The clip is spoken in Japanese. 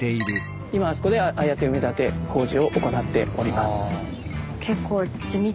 今あそこでああやって埋め立て工事を行っております。